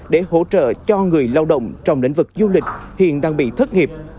để hỗ trợ cho người lao động trong lĩnh vực du lịch hiện đang bị thất nghiệp